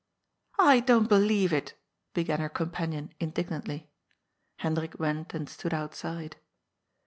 "I don't believe it " began her companion indig nantly. Hendrik went and stood outside.